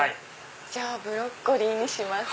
じゃあブロッコリーにします。